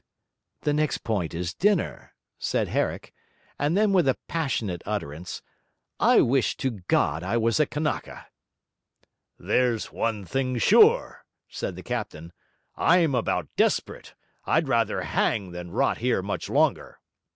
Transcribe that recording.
'The next point is dinner,' said Herrick; and then with a passionate utterance: 'I wish to God I was a Kanaka!' 'There's one thing sure,' said the captain. 'I'm about desperate, I'd rather hang than rot here much longer.'